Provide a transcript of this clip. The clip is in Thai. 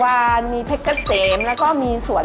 การที่บูชาเทพสามองค์มันทำให้ร้านประสบความสำเร็จ